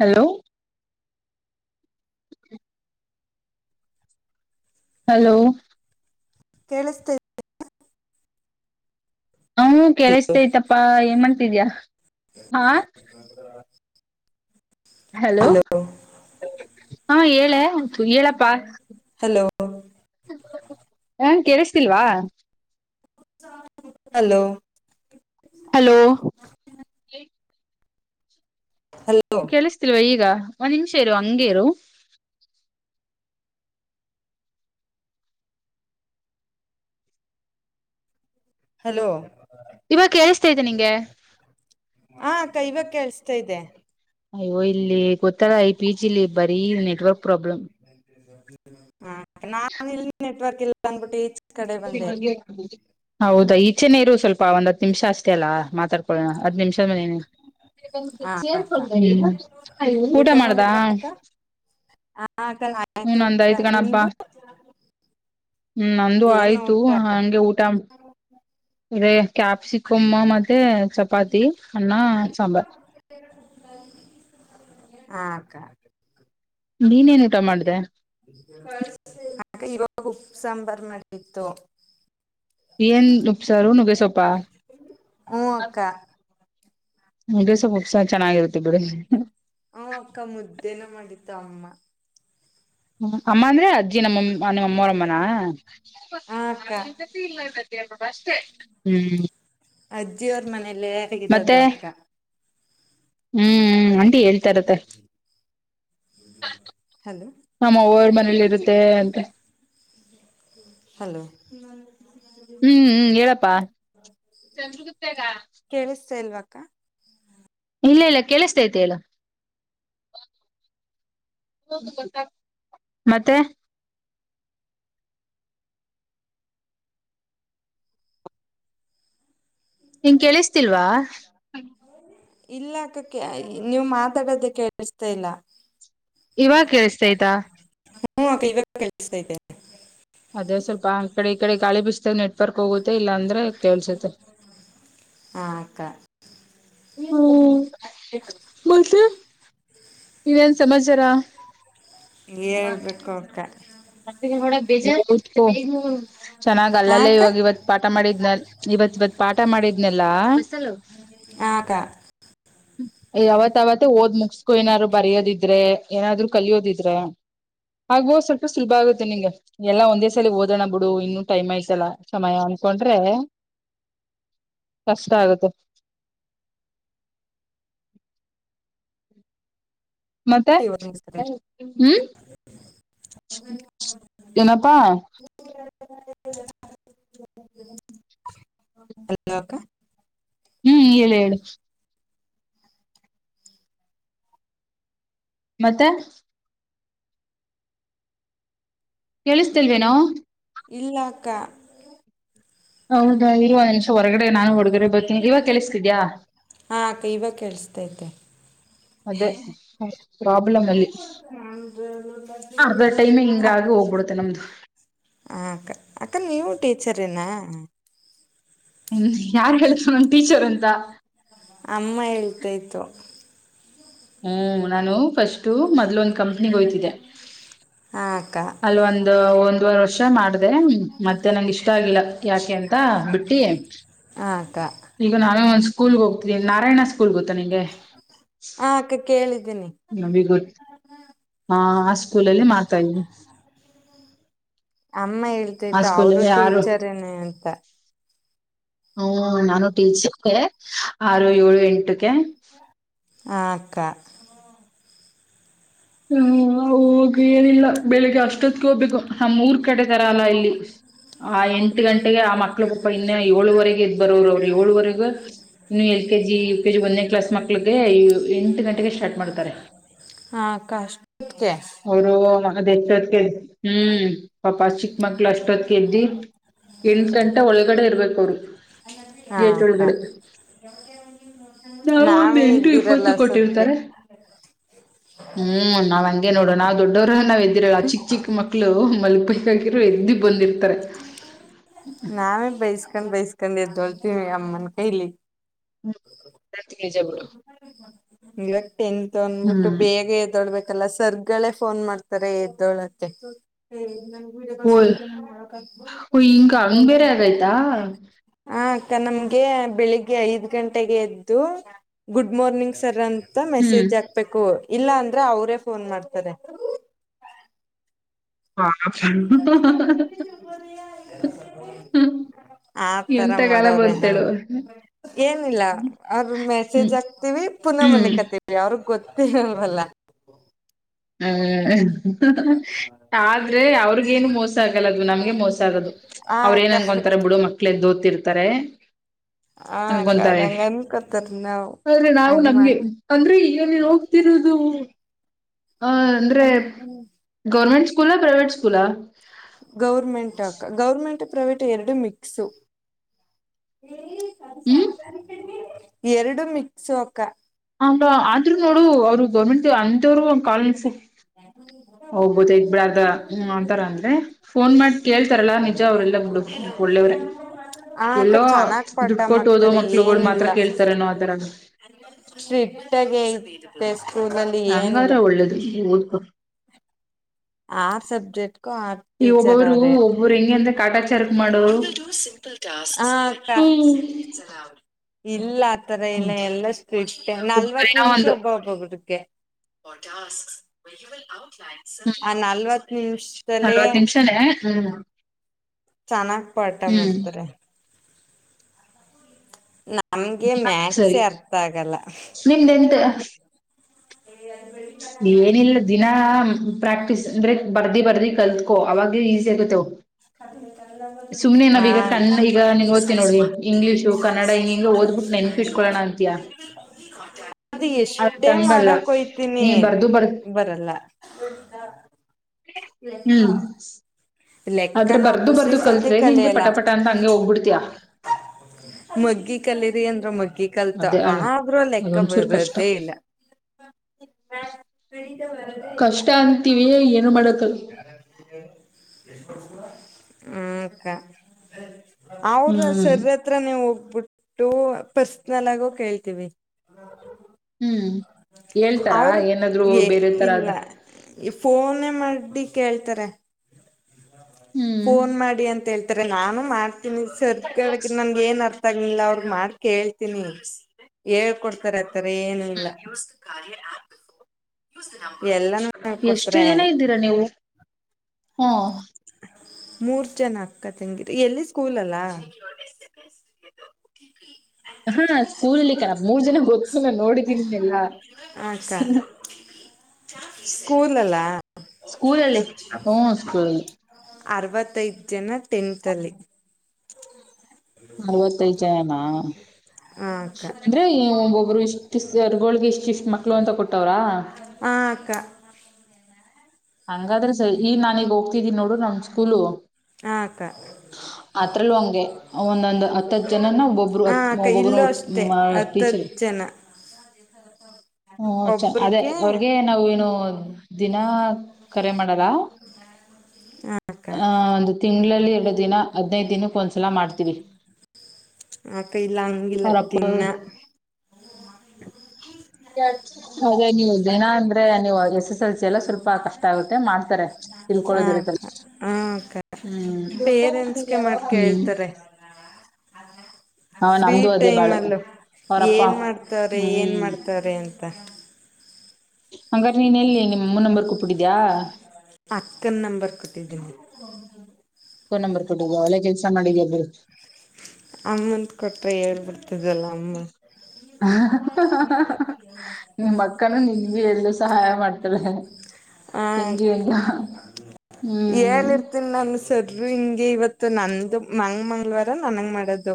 Hello hello ಕೇಳಿಸ್ತೇ ಹ್ ಇದೆ ಕೇಳಿಸತತಪ್ಪಾ ಏನ್ ಮಾಡತಿದ್ಯಾ ಹಾ ಹಾ ಹಲೋ ಹಾ ಹೇಳೆ ಹೇಳಪ್ಪಾ. ಹಲೋ. ಹ ಕೇಳಿಸ್ತಿಲ್ವಾ ಹಲೋ. ಹಲೋ. ಹಲೋ. ಕೆಲಿಸತಿಲ್ವ ಈಗ ಒಂದ್ ನಿಮಿಷ ಇರು ಹಂಗೇ ಇರು. ಹಲೋ. ಇವಾಗ ಕೆಳಸ್ತಿದಿಯ ನಿಂಗೆ. ಹಾ ಅಕ್ಕ ಇವಾಗ ಕೆಳ್ಸ್ತಾ ಇದೆ. ಅಯ್ಯೋ ಇಲ್ಲಿ ಗೊತ್ತಾಲಾ ಇ ಪಿ ಜಿಲಿ ಬರೀ ನೆಟ್ವರ್ಕ್ ಪ್ರಾಬ್ಲಮ್. ಹ ನಾ ಇಲ್ಲಿ ನೆಟ್ವರ್ಕ್ ಇಲ್ಲ ಅಂದ್ಬಿಟ್ಟು ಆಚೆ. ಹೌದಾ ಈಚೆ ನೀರು ಸ್ವಲ್ಪ ಒಂದ ಹತ್ತ. ನಿಮಿಷ ಅಷ್ಟತಿ ಅಲ್ಲ ಮಾತಾಡ್ಕೊಳ್ಳೋಣ ಹದ್ ನಿಮಿಷದ ಮೇನು. ಹಾ ಅಕ್ಕ ಊಟ ಮಾಡ್ದಾ. ಆಗಲ್ಲೇ ಆಯ್ತು ನಂದ ಆಯ್ತ್ ಅಕ್ಕ ಗಣಪ್ಪಾ ನಿಮ್ದು. ಹ್ಮ್ ನಂದು ಏನು ಆಯ್ತು ಊಟ ಹಂಗೆ ಊಟ. ಇದೇ ಕ್ಯಾಪ್ಸಿಕಮ್ಮ ಮತ್ತೆ ಚಪಾತಿ ಅನ್ನಾ ಸಾಂಬಾರ್. ಹಾ ಅಕ್ಕ. ನಿನೇನ್ ಊಟ ಮಾಡ್ದೇ. ಅಕ್ಕ ಇವಾಗ ಉಪ್ಪು ಸಾಂಬಾರು ಮಾಡಿತ್ತು. ಏನ್ ಸಾರು ನುಗ್ಗೆ ಸೊಪ್ಪಾ. ಹ್ಞೂ ಅಕ್ಕ ನುಗ್ಗೆ ಸಾರ್ ಸ್ವಲ್ಪ ಉಪ್ಸ ಚೆನ್ನಾಗಿರುತ್ತೆ ಬಿಡು. ಹ ಅಕ್ಕ ಮುದ್ದೇನ ಮಾಡಿತ್ತು ಅಮ್ಮ. ಹ್ಮ ಅಮ್ಮ ಅಂದ್ರೆ ಅಜ್ಜಿ ನಮ್ಮ ನಿಮ್ಮ ಅಮ್ಮವರಮ್ಮನ. ಹಾ ಅಕ್ಕ ಹ್ಮ್. ಅಜ್ಜಿಯ ಅವರ್ ಮತ್ತೆ ಮನೇಲ್ಲೇಗಿರೋದು ಅಕ್ಕ. ಹ್ಮ್ ಅಂಟಿ ಹೇಳ್ತಾರತ್ತ. ಹಲೋ. ನಮ್ಮ ಓಲ್ಡ್ ಮನೇಲಿ ಇರುತ್ತೆ ಅಂದ್ರೆ. ಹಲೋ. ಹ್ಮ್ ಹ್ಮ್ ಹೇಳಪ್ಪಾ. ಕೇಳಿಸತ್ತಾ ಇಲ್ವ ಅಕ್ಕಾ. ಇಲ್ಲ ಇಲ್ಲ ಕೆೇಳಸತೈತಿ ಹೇಲು. ಮತ್ತೆ. ನಿಂಗ್ ಕೇಳಿಸ್ತಿಲ್ವಾ. ಇಲ್ಲ ಅದಕ್ಕೆ ನೀವು ಮಾತಾಡೋದೇ ಕೇಳಿಸತ್ತಾ ಇಲ್ಲ. ಇವಾಗ ಕೇಳ್ತ ಆಯ್ತಾ. ಹ್ಮ ಆ ಇವಾಗ ಕೆಳಸ್ತೈತೆ ಇದನೆ. ಅದೇ ಸ್ವಲ್ಪ ಆ ಕಡೆ ಈ ಕಡೆ ಗಾಳಿ ಬಿಸ್ತ್ ನೆಟ್ವರ್ಕ್ ಹೋಗುತ್ತೆ ಇಲ್ಲಾಂದ್ರೆ ಕೇಲ್ಸುತ್ತೆ. ಹಾ ಅಕ್ಕ. ಹ್ಮ್ ಮತ್ತ. ಇನ್ನೇನ್ ಸಮಾಚಾರ. ಹೇಳ್ಬೇಕು ಅಕ್ಕಾ. ಚೆನ್ನಾಗ ಹಾ ಅಲ್ಲಲ್ಲ ಅಕ್ಕ ಇವಾಗ ಇವತ್ತು. ಪಾಠ ಮಾಡಿದ್ನ ಇವತ್ ಇವತ್ ಪಾಠ ಮಾಡಿದ್ನೆಲ್ಲಾ. ಆ ಅಕ್ಕ ಅ ಯಾವತ್ಾವತ್ತ ಓದ್ ಮುಗಸ್ಕೊ ಏನಾದಾರ್ರು ಬರಯೋದಿದ್ರೆ ಏನಾದ್ರು ಕಲಿಯೋದಿದ್ರ ಆಗ್ುವೋ ಸ್ವಲ್ಪ ಸುಲಭ ಆಗುತ್ತೆ ನಿಂಗೆ ಎಲ್ಲ ಒಂದೇ ಸಲ ಓದೋಣ ಬಿಡು ಇನ್ನುೂ ಟೈಮ್ ಆಐ್ತಲ್ಲ ಸಮಯ ಅನ್ಕೊಂಡ್ರೆ ಕಷ್ಟ ಆಗುತ್ತೆ ಮತ್ತೆ ಹೂ ಏನಪ್ಪಾ ಹಲಕ ಏನು ಅಕ್ಕ ಹೂ ಹೇಳು ಹೇಳು ಮತ್ತೆ ಕೇಳಿಸ್ತಿಲ್ವೇನೋ ಇಲ್ಲಕ್ಕ ಹೌದಾ ಇರುವ ನಿಮಿಷ ಹೊರಗಡೆ ನಾನು ಹೊರಗಡೆ ಬರ್ತೀನಿ ಇವಾಗ ಕೆಲಸಿದ್ಯಾಾ ಹಾ ಅಕ್ಕ ಇವಾಗ ಕೇಳಿಸಸ್ತೈತೆ ಅದೇ ಪ್ರಾಬ್ಲಮ್ ಅಲ್ಲಿ ಅರ್ಧ ಹ ಟೈಮೆ ಹಿಂಗಾಗಿ ಹೋಗ್ಬಿಡುತ್ತೆ ನಮ್ದು ಕಸ ಹ ಅಕ್ಕ ಅಕ್ಕ ನೀವು ಟೀಚರ್ ನೆನ ಹ ಯಾರ್ ಹೇಳ್ತ ನಮ್ ಟೀಚರ್ ಅಂತ ಅಮ್ಮ ಹೇಳ್ತ ಇತ್ತು ಹೂ ನಾನು ಫಸ್ಟು ಮೊದ್ಲು ಒಂದು ಕಂಪ್ನಿ ಹಯ್ತಿದ್ದೆ ಹಕ್ಕ ಅಲ್ಲಿ ಒಂದು ಒಂದುವರೆ ವರ್ಷ ಇಷ್ಟ ಮಾಡ್ದ ಮತ್ತೆ ನಂಗ ಇಷ್ಟ ಆಗಿಲ್ಲ ಯಾಕೆ ಅಂತ ಬಿಟ್ಟಿ ಹಾ ಅಕ್ಕ ಈಗ ನಾನೇ ಒಂದ್ ಸ್ಕೂಲ್ ಹೋಗ್ತಿದ್ದೀ ನಾರಾಯಣ ಸ್ಕೂಲ್ ಗೊತ್ತಾ ನಿಂಗೆ ಹಾ ಅಕ್ಕ ಕೇಳಿದ್ದೀನಿ ನಂಗೆ ಗೊತ್ತು ಗ ಹಾ ಆ ಸ್ಕೂಲಲ್ಲಿ ಮಾತಾ ಇದವಿ ಅಮ್ಮ ಆ ಹೇಳ್ತೈತ ಅವರು ಟೀಚರ್ ನ ಅಂತ ಹೂ ನಾನು ಟೀಚರ್ಗೆ ಆರು ಏಳು ಎಂಟಕ ಹ ಅಕ್ಕ ಹೂ ನ ಹೋಗ ಏನಿಲ್ಲ ಬೆಳಿಗ್ಗೆ ಅಷ್ಟೊತ್ಕ ಹೋಗ್ಬೇಕು ನಮ್ಮ್ೂರ್ ಕಡೆ ತರ ಅಲ್ಲ ಇಲ್ಲಿ ಆ ಎಂಟು ಗಂಟೆಗೆ ಆ ಮಕ್ಳುಪ್ಪ ಇನ್ನೆ ಏಳುವರೆಗೆ್ದ ಬರೋರು ಅವರು ಏಳವರೆಗ ಇನ್ನು ಎಲ್ ಕೆ ಜಿ ಯ ಕೆಜಿ ಒಂದೇ ಕ್ಲಾಸ್ ಮಕ್ಳಿಗೆ ಎಂ ಗಂ ಸ್ಟ್ ಮಾಡ್ತಾರೆ ಹಾ ಕಷ್ಟಕ್ಕೆ ಅವರು ಅದ ಎಚ್ಚತ್ಕ ಹೂ ಪಾಪಾ ಚಿಕ್ಕ ಮಕ್ಳ ಅಷ್ಟತ್ ಕೆಜಿ ಎಂ ಗಂಟೆ ಒಳಗಡೆ ಇರ್ಬೇಕ ಅವ್ರಿ ಹಾ ಗೇಟ್ ಅಕ್ಕ ಒಳಗಡೆ ನಾವು ಒಂದ ನಾವೇ ಎಂಟು ಎದ್ದಿರಲ್ಲ ಇಪ್ಪತ್ತು ಅಷ್ಟೊತ್ಗೆ ಕೊಟ್ಟಿರ್ತಾರೆ ಹೂ ನಾವು ಹಂಗೆ ನೋಡೋಣ್ ದೊಡ್ಡವ್ರ ನಾವ್ ಎದ್ದಿರಲ್ಲ ಚಿಕ್ ಚಿಕ್ಕ ಮಕ್ಳ ಮಕ್ಳು ಮಲ್ಬೈಕಗಿರ ಇದ್ದಿ ಬಂದಿರ್ತಾರೆ ನಾವೇ ಬೈಸ್ಕೊಂಡ್ ಬೈಸ್ಕೊಂಡ್ ಎದ್ದೋಳ್ತೀವಿ ಅಮ್ಮನ ಕೈಲಿ ಹೂ ತ್ತಜಬಳ ಇವಾಗಟೆಂತ್ ಅಂದ್ಬಿಟ್ಟು ಹ್ಮ್ ಬೇಗ ಎದೊಳ್ಬೇಕಲ್ಲ ಸರ್ ಗಳೇ ಫೋನ್ ಮಾಡ್ತಾರೆ ಎದ್ದೋಳಕ್ಕೆ ಏ ನನ್ಗೆಡ ಓ ಓ ಹಿಂಗ ಬ ಹಂಗ್ ಬೇರೆ ಮಾಡ ಆಗೈತಾ ಹ ಅಕ್ಕ ನಮ್ಗೆ ಬೆಳಿಗ್ಗೆ ಐದ್ ಗಂಟೆಗೆ ಎದ್ದು ಗುಡ್ ಮಾರ್ನಿಂಗ್ ಸರ್ ಅಂತ ಮ ಹ್ಮ್ ಮೆಸೇಜ್ ಹಾಕ್ಬೇಕು ಇಲ್ಲ ಅಂದ್ರೆ ಅವ್ರೇ ಫೋನ್ ಮಾಡ್ತಾರೆ ಹಾ ಕುುದ ಆತರ ಎಂತ ಕಾಲ ಮಾಡೋ್ರೆ ನಾವ ಬಂತೇಳು ಏನಿಲ್ಲ ಅವ್ರ ಹ್ಮ್ ಮೆಸೇಜ್ ಹಾಕ್ತಿೀವಿ ಪುನ ಹ್ಮ್ ಹ್ಮ್ ಮಲ್ಲಿಕತೆವಿ ಅವ್ರಗ್ ಗೊತ್ತಿರಲ್ವಲ್ಲ ಹೂ ಆದ್ರೆ ಅವ್ರಿಗೇನು ಮೋಸ ಆಗಲ್ಲದು ನಮ್ಗೆ ಮೋಸ ಆಗದು ಆ ಅವ್ರ ಅಕ್ಕ ಏನನ್ಕೊಂತಾರೆ ಬಿಡ ಮಕ್ಳೇದ ೋತಿರ್ತಾರೆ ಆ ಅಕ್ಕ ಅವ್ರ ಅನ್ಕೊಂತಳೆ ಹಂಗ ಅನ್ಕೋತಾರ ನಾವು ಆದ್ರೆ ನಾವು ಹಂಗ ಮಾಡ ನಮ್ಗೆ ಅಂದ್ರೆ ಈಗ ನೀನು ಹೋಗ್ತಿರೋದು ಅ ಅಂದ್ರೆ ಗೌರ್ಮೆಂಟ್ ಸ್ಕೂಲ್ ಪ್ರೈವೇಟ್ ಸ್ಕೂಲ ಗೌರ್ಮೆಂಟ್ ಅಕ ಗೌರ್ಮೆಂಟ್ ಪ್ರೈವಟ್ ಎರಡು ಮಿಕ್ಸು ಹ್ಮ್ ಎರಡು ಮಿಕ್ಸೋಕ ಹ ಆದ್ೂ ನೋಡು ಅವ್ರು ಗೌರ್ಮೆಂಟ್ ಅಂತವರು ಒ ಕಾಲ ಹಾ ಹೋಗ್ಬೋದು ಇಗ್ ಬಿಡದ ಅಂತಾರ ಅಂದ್ರೆ ಫೋನ್ ಮಾಡಿ ಕೇಳ್ತಾರಲ್ಲಾ ನಿಜ ಅವ್ರಲ್ಲ ಬಿುಡು ಒಳ್ಳೆಯವ್ರೇ ಆ ಅಕ್ಕ ಎಲ್ಲೋ ಚೆನ್ನಾಗ್ ಪಾಠ ದುಡ್ಡು ಕೊಟ್ಟು ಹೋದೋ ಮಾಡ್ತಾರೆ ಮಕ್ಳಗಳು ಮಾತ್ರ ಕೇಳ್ತಾರನೋ ಆ ತರ ಸ್ಟ್ರಿಕ್ ಆಗ ಇತ್ತೆ ಸ್ಕೂಲಲ್ಲಿ ಏನಿಲ್ಲ ಒಳ್ಳೇದುಕ ಆರ್ ಸಬ್ಜೆಕ್ಟ್ ಕೂ ಆರ್ ಈ ಟೀಚರ್ ಒಬ್ಬೊಬ್ರು ಅವ್ರೆ ಒಬ್ಬರು ಹೆಂಗೆ ಅಂದ ಕಾಟಾಚಾರಕ್ ಮಾಡೋರು ಂಲ್ ಹ ಅಕ್ಕ ಇಲ್ಲ ಆತರ ಇಲ್ಲ ಎಲ್ಲಷ್ಟು ಇಷ್ಟೆ ನಲ್ವತ್ ಒಬ್ಬರಿನ ನಿಮಿಷ ಒಂದು ಒಬ್ಬ ಒಬ್ಬ ಬಿಡ್ಕೆ ಹ್ಮ್ ಆ ನಲ್ವತ್ತು ನಿಮಿಷಲ್ಲೇ ಹೂ ಚೆನ್ನಾಗ್ ಪಾಠ ಮಾಡ್ತಾರೆ ನಮಗೆ ಮ್ಯಾಥಸ ಸರಿ ಅರ್ಥ ಆಗಲ್ಲ ನಿಮ್ದ ಎಂತ ಹ ಅ ಏನಿಲ್ಲ ದಿನಾ ಪ್ರಾಕ್ಟೀಸ್ ಅಂದ್ರೆ ಬರ್ದಿ ಬರ್ದಿ ಕಲ್ತ್ಕೋ ಅವಾಗ ಈಸಿ ಆಗತೆೇವ ಹ ಕಣ್ಣ ಈಗ ನೀನ್ ಓದ್ತಿ ನೋಡ್ರಿ ಇಂಗ್ಲೀಷು ಕನ್ನಡ ಹಿಂಗ ಹಿಂಗ ಓದ್ಬಿಟ್ಟು ನೆನ್ಪಿಟ್ಕೊಳ್ಳೋಣ ಅಂತಯಾ ಅದು ಅದಕ್ ಎಷ್ಟೇ ಹಂಗಲ್ಲ ಮಾಡಕ್ೋಯ್ತು ನೀ ತಿನಿ ಬರ್ದು ಬರಲ್ಲ ಹೂ ಲೆಕ್ಕನ ಹೊಸಿಸತಿ ನಿಂಗೆ ಕಲೆಯಲ್ಲ ಪಟ ಪಟ ಅಂತ ಹಂಗೆ ಹೋಗ್ಬಿಡ್ತಯಾ ಮಗ್ಗಿ ಕಲೀರಿ ಅಂದ್ರ ಮಗ್ಗಿ ಕಲ್ತ ಅದೇ ಅ ಆದ್ರೂ ಲೆಕ್ಕ ಅದೊಂಚೂರ್ ಕಷ್ಟ ಬರದೇ ಇಲ್ಲ ದವ ಕಷ್ಟ ಅಂತೀವಿ ಏನು ಮಾಡಕು ಆಗಲ್ಲ ಹೂ ಅಕ್ಕ ಅವ್ರ ಹ್ಮ್ ಸರತ್ರ ನೀವು ಹೋಗ್ಬಿಟ್ಟು ಪರ್ಸ್ನಲ್ ಆಗು ಕೇಳ್ತೀವಿ ಹೂ ಹೇಳ್ತಾರಾ ಅವರು ಏನಾದ್ರು ಬೇರೆ ತರದ್ ಈ ಫೋನೇ ಮಾಡಿ ಕೇಳ್ತಾರೆ ಹ್ಮ್ ಫೋನ್ ಮಾಡಿ ಅಂತ ಹೇಳ್ತಾರೆ ನಾನು ಮಾಡ್ತೀನಿ ಸರ್ಕಕ ನನ್ ಏನ್ ಅರ್ಥ ತಗಲಿಲ್ಲ ಅವ್ರಗ್ ಮಾಡಿ ಕೇಳ್ತೀನಿ ಹೇಳ್ ಕೊಡ್ತಾರ ಆತಾರ ಏನೂಲ್ಲ ಎಲ್ಲಾನೂ [unintelligible] ಎಷ್ಟು ಕೊಡ್ಸ್ರೆ. ಹಾ ಮೂರ್ ಜನ ಅಕ್ಕ ತಂಗಿರು ಎಲ್ಲಿ ಸ್ಕೂಲಲ್ಲ. ಹಾ ಸ್ಕೂಲಲ್ಲಿ ಕಣ ಮೂರ್ ಜನ ಗೊತ್ತು ನಾ ನೋಡಿದೀನಿ ಎಲ್ಲ ಸ್ಕೂಲಲ್ಲಾ. ಸ್ಕೂಲಲ್ಲಿ ಹ್ಮ ಸ್ಕೂಲಲ್ಲಿ. ಅರವತ್ತೈದು ಜನ ಟೆಂತಲ್ಲಿ. ಅರವತ್ತೈದು ಜನನಾ? ಹ ಅಕ್ಕ ಅಂದ್ರೆ ಈ ಒಬ್ಬೊಬ್ರು ಇಷ್ಟು ಸರ್ಗಳೊಗೆ ಇಷ್ಟಿಷ್ಟು ಮಕ್ಳು ಅಂತ ಕೊಟ್ಟವ್ರಾ? ಹಾ ಅಕ್ಕ. ಹಂಗಾದ್ರೆ ಸರಿ ಈಗ ನಾನೀಗ್ ಹೋಗ್ತಿದ್ದೀನಿ ನೋಡು ನಮ್ ಸ್ಕೂಲು. [inaudible] ಅತ್ರಲ್ಲೂ ಹಂಗೆ ಒಂದೊಂದ್ ಹತ್ತತ್ ಜನನ ಒಬ್ಬೊಬ್ರು ಹಾ ಹತ್ ಅಕ್ಕ ಒಬ್ಬೊಬ್ರು ಇಲ್ಲೂ ಅಷ್ಟೆ ಹತ್ತತ್. ಟೀಚರ್ ಜನ ಹ್ಮ ಚ ಅದೇ ಒಬ್ರಗೆ ಹೊರ್ಗೆ ನಾವ ನು ದಿನ. ಕರೆ ಮಾಡಲ್ಲಾ. ಹ ಅಕ್ಕ ಆ ಒಂದು ತಿಂಗ್ಳಲ್ಲಿ ಎರಡು ದಿನ ಹದ್ನೈದ್ ದಿನಕ್ಕ್ ಒಂದ್ಸಲ ಮಾಡ್ತೀರಿ. [inaudible] ಆಕ ಇಲ್ಲ ಹಂಗಿಲ್ಲ ದಿನ [unintelligible] ಅದೇ ನೀವು ದಿನ ಅಂದ್ರೆ ನೀವು ಎಸ್ ಎಸ್ ಎಲ್ ಸಿ ಎಲ್ಲ ಸ್ವಲ್ಪ ಕಷ್ಟ ಆಗುತ್ತೆ ಮಾಡ್ತಾರೆ. ಹ ತಿಳ್ಕೊಳ್ಳೋದಿರುತ್ತಲ್ಲ ಹ್ಮ ಕ್ಕ. ಹ್ಮ್ ಪೇರೆಂಟ್ಸ್ಗೆ ಮಾಡ್ ಹ್ಮ್ ಕೇಳ್ತಾರೆ. ಹಾ ಫ್ರೀ ನಮ್ದು ಅದೇ ಟೈಮ್ ಬಾಳು ಅಲ್ಲೂ ಅವರಪ್ಪ ಏನ್ ಮಾಡ್ತಾರೆ ಏನ್ ಹ್ಮ್ ಮಾಡ್ತಾರೆ ಅಂತ. ಹಂಗ್ರಾದ್ ನೀನ್ ಎಲ್ಲಿ ನಿಮ್ಮಮ್ಮನ್ ನಂಬರ್ ಕೊ ಅಕ್ಕನ್ ನಂಬರ್ ಕೊಟ್ಟಿದ್ದೀನಿ. ಕ್ಕನ್ ನಂಬರ್ ಕೊಟ್ಟಿದಿಯ ಒಳ್ಳೆ ಕೆಲ್ಸ ಮಾಡಿದಿಯ ಬಿಡು. ಅಮ್ಮಂತ್ ಕೊಟ್ರೆ ಹೇಳ್ಬಿಟ್ಟು ತ್ತದಲ್ಲ ಅಮ್ಮ. ನಿಮ್ ಅಕ್ಕನು ನಿನ್ಗೆ ಎಲ್ಲರು ಸಹಾಯ ಮಾಡ್ತಾರೆ. ಆ [unintelligible] ಹ್ಮ್ ತಿನ್ನು ಅನ್ಸ್ ಸರ್ರು ಹಿಂಗೆ ಇವತ್ತು ನಂದು ಮಂಗ್ಮಂಗ್ಳವಾರಳ ನನಗ್ ಮಾಡೋದು.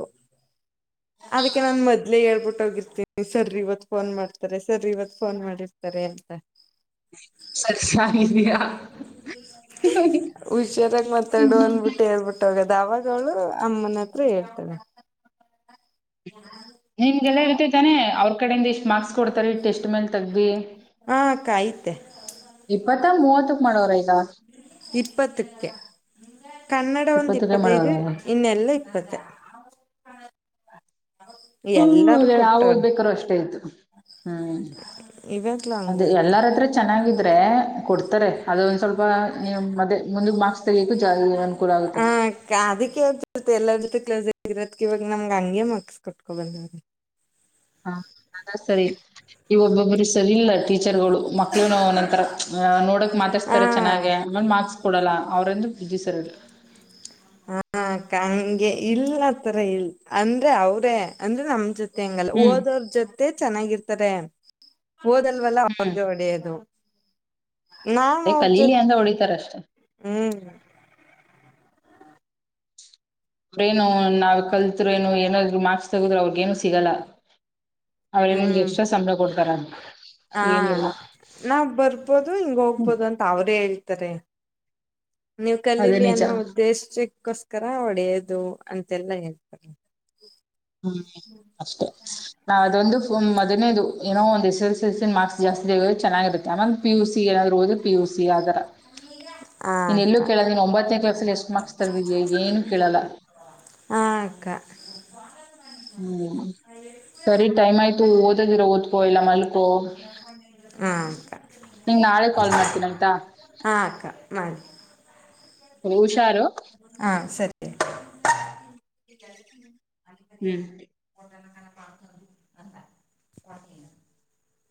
ಅದಕ್ಕೆ ನಾನ್ ಮೊದ್ಲೇ ಹೇಳ್ಬಿಟ್ಟೋಗಿರ್ತೀನಿ. ಸರ್ ಇವತ್ ಫೋನ್ ಮಾಡ್ತಾರೆ ಸರ್ ಇವತ್ ಫೋನ್ ಮಾಡಿರ್ತಾರೆ ಅಂತ. ಸರಿ ಸಾಗಿದೀಯಾ ಹುಷಾರಾಗ ಮಾತಾಡು ಅಂದ್ಬಿಟ್ಟು ಹಳ್ಬಿಟ್ಟು ಟೋಗದ್ ಅವಾಗವ್ಳು ಅಮ್ಮನ್ ಹತ್ರ ಹೇಳ್ತಾಳೆ. ಹ ನಿಮ್ಗೆಲ್ಲ ಇರ್ತೆತಾನೆ ಅವ್ರ ಕಡೆಯಿಂದ ಇಷ್ಟ್ ಮಾರ್ಕ್ಸ್ ಕೊಡ್ತಾರೆ ಟೆಸ್ಟ್ ಮೇಲ್ ತಗಬಿ ಹ ಅಕ ಐತೆ. ಇಪ್ಪತ್ತ ಮೂವತ್ತಕ್ ಮಾಡೋರ ಈಗ ಇಪ್ಪತ್ತಕ್ಕೆ ಕನ್ನಡ ಒಂದು ಇಪ್ಪತ್ತಕ್ಕೆ ಮಾಡೋರ ಇಪ್ಪತ್ತೈದು ಇನ್ನೆಲ್ಲ ಇಪ್ಪತ್ತೆ. ಹದು ಹ್ಮ ಅದೇ ನಾವ್ ಓದ್ಬೇಕಾದ್ರು ಅಷ್ಟೇ ಇಯ್ತು. ಹ್ಮ್ ಇವಾಗ್ಲೂ ಹಂಗೆ ಅದೆ ಐತೆ ಎಲ್ಲಾರತ್ರ ಚೆನ್ನಾಗಿದ್ರೆ ಕೊಡ್ತಾರೆ ಅದೊಂದ್ ಸ್ವಲ್ಪ ನೀವ್ ಮದೆ ಮುಂದ ಮಾರ್ಕ್ಸ್ ತೆಗಿಯಬೇಕು ಜಾ ಅನುಕೂಲ ಆಗುತ್ತೆ ಅದಿಕ್ಕೆೇ ಎಲ್ಲರ ಜೊತೆ ಕ್ಲೋಸ್ ಆಗಿರೋದಕ್ ಇವ ನಮ್ ಹಂಂಗಗೆ ಮಕ್ಸ್ ಕೊಟ್ಕೊ ಬಂದ್ರೀ ಹಾ ಅದ ಸರಿ ನೀವು ಒಬ್ಬೊಬ್ಬರು ಸರಿ ಇಲ್ಲ ಟೀಚರ್ಗಳು ಮಕ್ಳು ಒ ನಂತರ ನೋಡೋಕ್ ಹಾ ಮಾತಾಿಸಸ್ತಾರೆ ಚೆನ್ನಾಗೆ ಆ ಮಾರ್ಕ್ಸ್ ಕೊಡಲ್ಲ ಅವ್ರಂದು ಬಿಜ ಸರ್ಲ್ಲ ಹಾ ಕಂಗೆ ಇಲ್ಲ ತರ ಇಲ್ ಅಂದ್ರೆ ಅವ್ರೇ ಅಂದ್ರೆ ನಮ ಜೊತೆ ಹೆಂಗಲ್ಲ ಹ್ಮ್ ಓದೋರ್ ಜೊತೆ ಚೆನ್ನಾಗಿರ್ತಾರೆ ಓದಲ್ವಲ್ಲ ಹ್ಮ್ ಅವ್ರಜ ಹೊಡೆಯೋದು ನಾ ಅದೇ ಅವರ್ಜ ಕಲೀಲಿ ಅಂದ ಹೊಡಿತಾರ ಅಷ್ಟೇ ಹ್ಮ್ ಅವ್ರೇಏನು ನಾವ್ ಕಲ್ತ್ರು ಏನು ಏನಾದ್ರು ಮಾರ್ಕ್ಸ್ ತಗದ್ರು ಅವ್ರಿಗೇನು ಸಿಗಲ್ಲ ಅವ್ರೆ ನಿಮ್ಗೆ ಎಕ್ಸ್ಟ್ರಾ ಸಂಬಳ ಕೊಡ್ತಾರಂತ ಹಾ ನಾವ್ ಬರ್ಬೋದು ಹಿಂಗ ಹ್ಮ್ ಹೋಗ್ಬೋದು ಅಂತ ಅವ್ರೇ ಹೇಳ್ತಾರೆ ನೀವು್ ಅದೇ ಕಲಿಲಿ ನಿಜ ಅನ್ನೋ ಉದ್ದೇಶ ಕ್ಕೋಸ್ಕರ ಒಡೆಯದು ಅಂತೆಲ್ಲಾ ಹೇಳ್ತಾರೆ ಹ್ಮ್ ಅಷ್ಟೇ ನ ಅದೊಂದು ಮೊದ್ನೇದು ಏನೋ ಒಂದು ಎಸ್ ಎಸ್ ಎಸ್ಸಿನ ಮಾರ್ಸ್ ಜಾಸ್ತಿಾಗೋ ಚೆನ್ನಾಗಿರುತ್ತೆಮೇಲೆ ಪ ಯು ಸಿ ಏನಾದರುಓದ ಪು ಸಿ ಆಥರ ಹಾ ನೀನ್ ಎಲ್ಲೂ ಅಕ್ಕ ಕೇಳಲ್ಲ ನೀನ್ ಒಂಬತ್ತನೇ ಕ್ಲಾಸ್ಲ್ಲಿ ಎಷ್ಟು ಮಾರ್ಕ್ಸ್ ತರ್ದ ಏನು ಕೇಳಲ್ಲ ಹಕ್ಕ ಹ್ಮ್ ಸರಿ ಟೈಮ್ ಆಯ್ತು ಓದದಿರೋ ಓದ್ಕೋ ಎಲ್ಲ ಮಲ್ಕೋ ಹಾ ಅಕ್ಕ ನಿ್ ನಾಳೆ ಕಾಲ್ ಮಾಡ್ತೀನ ಆಯ್ತಾ ನನ್ ಹ ಹುಷಾರು ಹಾ ಸರಿ ಹ್ಮ್ ಕೊಟ್ಟನ ಪ ಅ